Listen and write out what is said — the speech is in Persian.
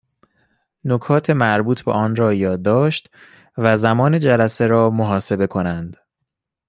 نکات مربوط به آن را یادداشت و زمان جلسه را محاسبه کنند